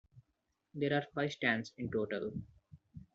There are five stands in total.